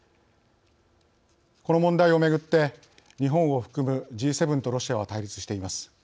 この問題をめぐって日本を含むＧ７とロシアは対立しています。